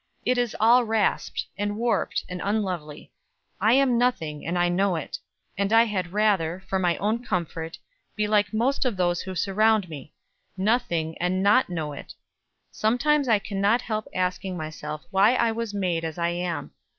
It is all rasped, and warped, and unlovely. I am nothing, and I know it; and I had rather, for my own comfort, be like the most of those who surround me nothing, and not know it. Sometimes I can not help asking myself why I was made as I am.